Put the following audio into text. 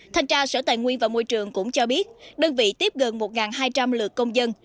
thanh tra sở tài nguyên và môi trường cũng cho biết đơn vị tiếp gần một hai trăm linh lượt công dân